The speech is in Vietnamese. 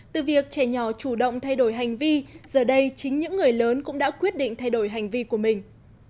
từ việc trẻ nhỏ chủ động thay đổi hành vi giờ đây chính những người lớn cũng đã quyết định thay đổi hành vi của mình